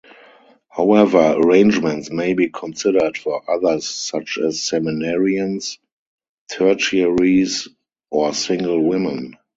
However, arrangements may be considered for others such as seminarians, tertiaries, or single women.